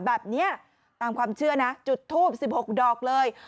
แบบนี้ตามความเชื่อนะจุดทูบ๑๖ดอกเลย